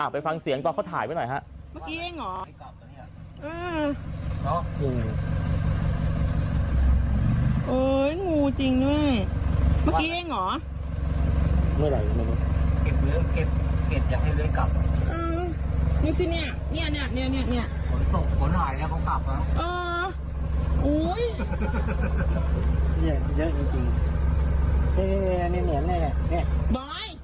ไปฟังเสียงตอนเขาถ่ายไว้หน่อยฮะ